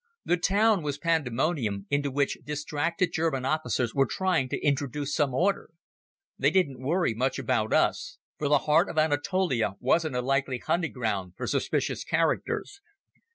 The town was pandemonium into which distracted German officers were trying to introduce some order. They didn't worry much about us, for the heart of Anatolia wasn't a likely hunting ground for suspicious characters.